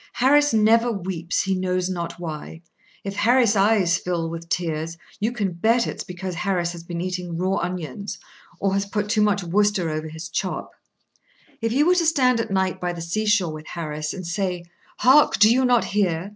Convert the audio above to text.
Harris never "weeps, he knows not why." If Harris's eyes fill with tears, you can bet it is because Harris has been eating raw onions, or has put too much Worcester over his chop. [Picture: Mermaid] If you were to stand at night by the sea shore with Harris, and say: "Hark! do you not hear?